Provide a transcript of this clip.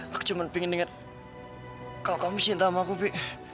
aku cuma pingin denger kalau kamu cinta sama aku pi